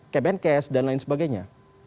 kpnks dan lain sebagainya